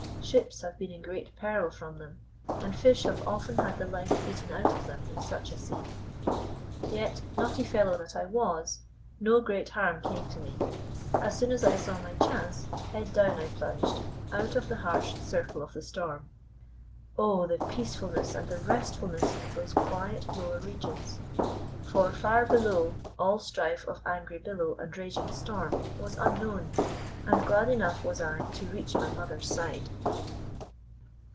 Ships have been in great peril from them, and fish have often had the life beaten out of them in such a sea. Yet, naughty fellow that I was, no great harm came to me. As soon as I saw my chance, head down I plunged, out of the harsh circle of the storm. Oh, the peacefulness and the restfulness of those quiet lower regions! For far below, all strife of angry billow and raging storm was unknown, and glad enough was I to reach my mother's side.